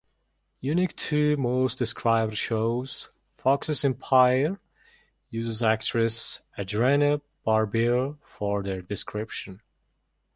Unique to most described shows, Fox's "Empire" uses actress Adrienne Barbeau for their description.